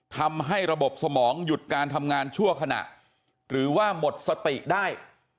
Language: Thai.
ทำให้ระบบสมองหยุดการทำงานชั่วขณะหรือว่าหมดสติได้